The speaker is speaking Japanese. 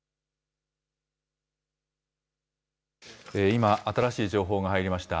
今、新しい情報が入りました。